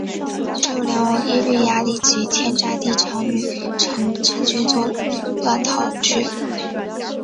只有梁王耶律雅里及天祚帝长女乘军乱逃去。